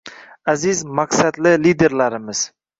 Aziz maqsadli liderlarimiz